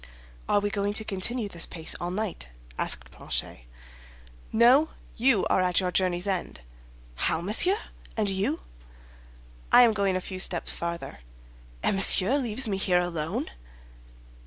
"Are we going to continue this pace all night?" asked Planchet. "No; you are at your journey's end." "How, monsieur! And you?" "I am going a few steps farther." "And Monsieur leaves me here alone?"